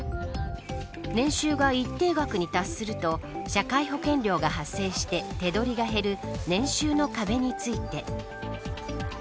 年収が一定額に達すると社会保険料が発生して手取りが減る年収の壁について。